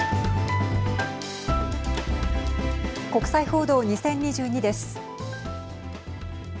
国際報道２０２２です。